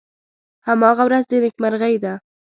هماغه ورځ د نیکمرغۍ ده .